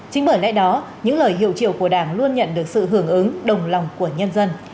chính bởi lẽ đó những lời hiệu triệu của đảng luôn nhận được sự hưởng ứng đồng lòng của nhân dân